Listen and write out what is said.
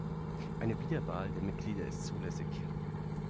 Eine Wiederwahl der Mitglieder ist zulässig.